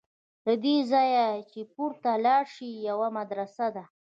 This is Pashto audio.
له دې ځایه چې پورته لاړ شې یوه مدرسه ده.